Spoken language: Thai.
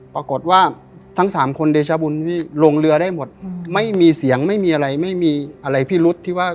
ปรากฎว่าทั้ง๓คนเดชาบุญพี่